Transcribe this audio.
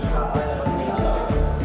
hal lain dapat diingatkan